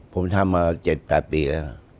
ผมทำมา๗๘ปีแล้ว